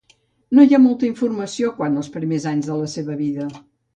No hi ha molta informació quant als primers anys de la seva vida.